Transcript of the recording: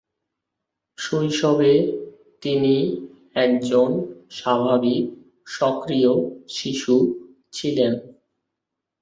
শৈশবে তিনি একজন স্বাভাবিক সক্রিয় শিশু ছিলেন।